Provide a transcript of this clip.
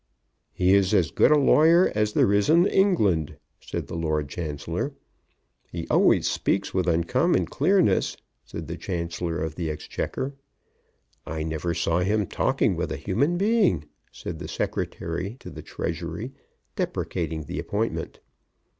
"He is as good a lawyer as there is in England," said the Lord Chancellor. "He always speaks with uncommon clearness," said the Chancellor of the Exchequer. "I never saw him talking with a human being," said the Secretary to the Treasury, deprecating the appointment.